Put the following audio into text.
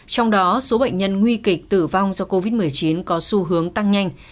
trong đó số bệnh nhân nguy kịch tử vong do covid một mươi chín có xu hướng tăng nhanh